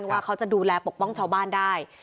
ว่าเขาจะดูแลปกป้องชาวบ้านได้